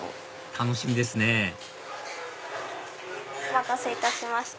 楽しみですねお待たせいたしました。